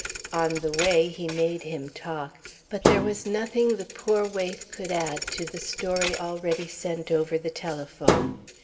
On the way he made him talk, but there was nothing the poor waif could add to the story already sent over the telephone.